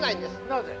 なぜ？